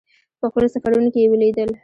په خپلو سفرونو کې یې ولیدل.